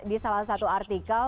di salah satu artikel